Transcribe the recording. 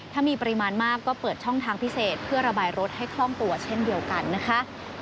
ถ้ามีปริมาณมากก็เปิดช่องทางพิเศษเพื่อระบายรถให้คล่องตัวเช่นเดียวกันนะคะ